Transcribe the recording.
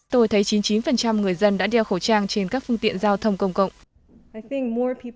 tôi thấy chín mươi chín người dân đã đeo khẩu trang trên các phương tiện giao thông công cộng